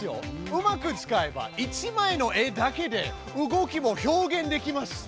うまく使えば１枚の絵だけで動きも表現できます。